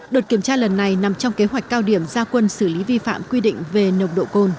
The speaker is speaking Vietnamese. đợt kiểm tra lần này nằm trong kế hoạch cao điểm gia quân xử lý vi phạm quy định về nồng độ cồn